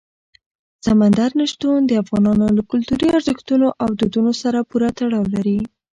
سمندر نه شتون د افغانانو له کلتوري ارزښتونو او دودونو سره پوره تړاو لري.